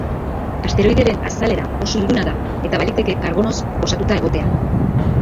Asteroidearen azalera oso iluna da, eta baliteke karbonoz osatua egotea.